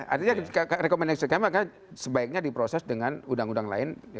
artinya rekomendasi kami sebaiknya diproses dengan undang undang lain